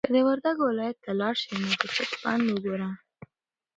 که د وردګو ولایت ته لاړ شې نو د چک بند وګوره.